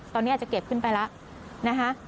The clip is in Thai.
ตอนนี้อาจจะเก็บขึ้นไปแล้วนะคะ